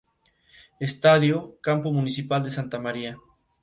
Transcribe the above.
Dentro del distrito, se encuentra tanto zonas urbanas como rurales.